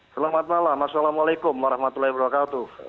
selamat malam assalamualaikum warahmatullahi wabarakatuh